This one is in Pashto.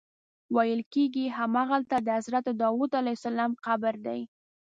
ویل کېږي همغلته د حضرت داود علیه السلام قبر دی.